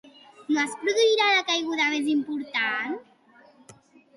On es produirà la caiguda més important?